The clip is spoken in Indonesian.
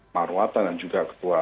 marwata dan juga ketua